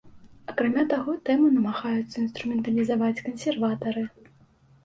Акрамя таго, тэму намагаюцца інструменталізаваць кансерватары.